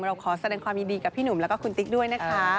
เราขอแสดงความยินดีกับพี่หนุ่มแล้วก็คุณติ๊กด้วยนะคะ